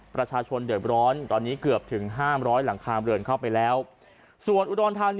ประชาชนเดือดร้อนตอนนี้เกือบถึงห้ามร้อยหลังคาเรือนเข้าไปแล้วส่วนอุดรธานี